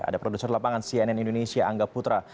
ada produser lapangan cnn indonesia angga putra